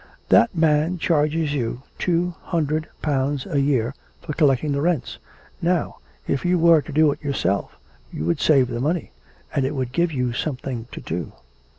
'That man charges you 200 pounds a year for collecting the rents; now, if you were to do it yourself, you would save the money, and it would give you something to do.'